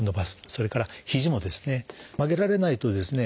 それからひじもですね曲げられないとですね